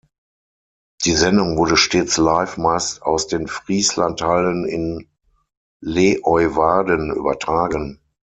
Die Sendung wurde stets live meist aus den Friesland-Hallen in Leeuwarden übertragen.